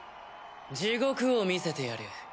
地獄を見せてやる。